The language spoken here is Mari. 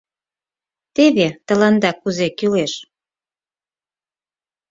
Теве тыланда кузе кӱлеш!..